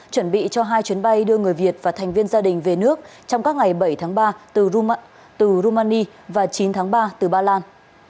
chuẩn bị cho hai chuyến bay đưa người việt và thành viên gia đình về nước trong các ngày bảy tháng ba từ rumani và chín tháng ba từ ba lan